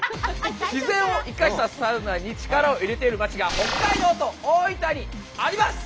自然を生かしたサウナに力を入れている町が北海道と大分にあります！